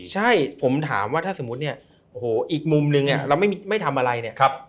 ใช่ผมถามว่าถ้าสมมุติเนี่ยโอ้โหอีกมุมนึงเราไม่ทำอะไรเนี่ย